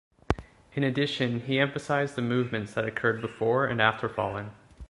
In addition, he emphasized the movements that occurred before and after falling.